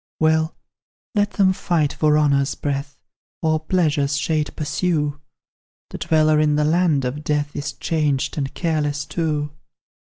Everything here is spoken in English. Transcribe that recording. Well, let them fight for honour's breath, Or pleasure's shade pursue The dweller in the land of death Is changed and careless too.